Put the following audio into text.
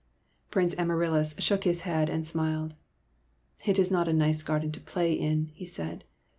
Prince Amaryllis shook his head and smiled. '' It is not a nice garden to play in," he said.